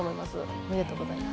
おめでとうございます。